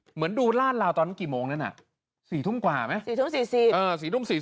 เหมือนดูร่านราวตอนนั้นกี่โมงนะน่ะ๔๓๐กว่าไหม๔๔๐